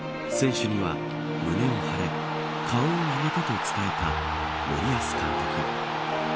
選手には、胸を張れ顔を上げてと伝えた森保監督。